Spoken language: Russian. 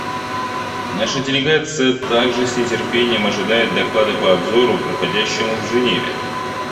Наша делегация также с нетерпением ожидает доклада по обзору, проходящему в Женеве.